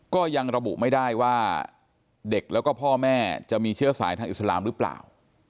ก็ยังระบุไม่ได้ว่าเด็กแล้วก็พ่อแม่จะมีเชื้อสายทางอิสลามหรือเปล่า